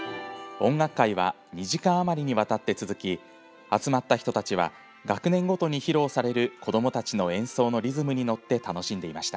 音楽会は２時間余りにわたって続き集まった人たちは学年ごとに披露される子どもたちの演奏のリズムにのって楽しんでいました。